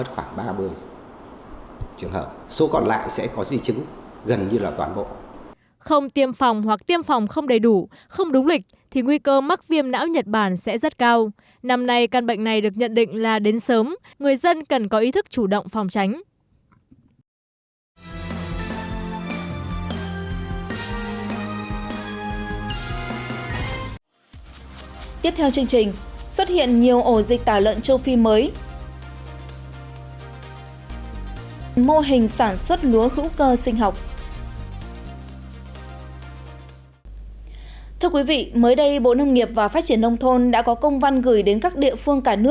thưa quý vị mới đây bộ nông nghiệp và phát triển nông thôn đã có công văn gửi đến các địa phương cả nước về việc chấn chỉnh hiện tượng khai khống gian lận trong tiêu hủy lợn bệnh